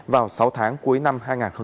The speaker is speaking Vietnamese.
vào sáu tháng cuối năm hai nghìn hai mươi